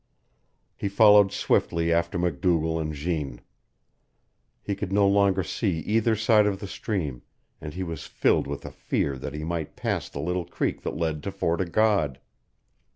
He followed swiftly after MacDougall and Jeanne. He could no longer see either side of the stream, and he was filled with a fear that he might pass the little creek that led to Fort o' God.